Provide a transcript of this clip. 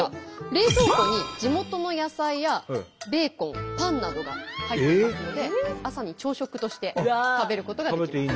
冷蔵庫に地元の野菜やベーコンパンなどが入っていますので朝に朝食として食べることができます。